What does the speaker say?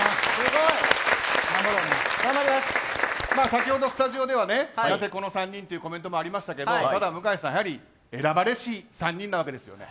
先ほどスタジオではなぜこの３人というコメントもありましたが向井さん選ばれし３人なわけですよね。